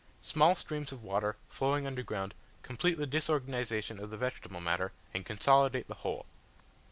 Small streams of water, flowing underground, complete the disorganization of the vegetable matter, and consolidate the whole.